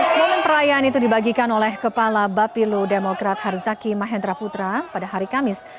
momen perayaan itu dibagikan oleh kepala bapilo demokrat harzaki mahendra putra pada hari kamis